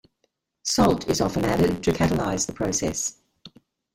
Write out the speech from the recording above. Salt is often added to catalyze the process.